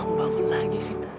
kamu bangun lagi sita